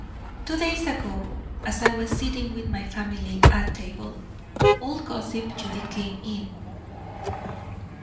"Two days ago, as I was sitting with my family at table, old gossip Judy came in.